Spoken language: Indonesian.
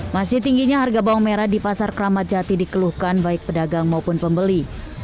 masih tingginya harga bawang merah di pasar kramat jati dikeluhkan baik pedagang maupun pembeli